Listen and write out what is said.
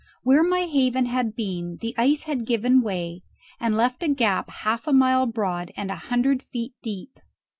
Where my haven had been the ice had given way and left a gap half a mile broad and a hundred feet deep.